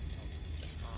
ああ。